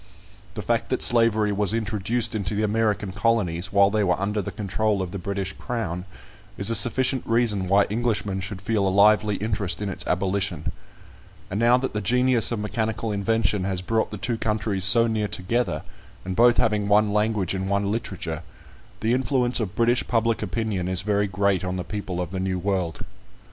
The fact that slavery was introduced into the American colonies, while they were under the control of the British Crown, is a sufficient reason why Englishmen should feel a lively interest in its abolition; and now that the genius of mechanical invention has brought the two countries so near together, and both having one language and one literature, the influence of British public opinion is very great on the people of the New World.